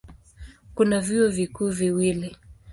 Kuna vyuo vikuu viwili.